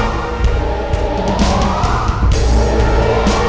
nol dengeran dan galahik halik